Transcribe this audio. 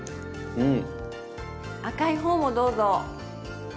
うん。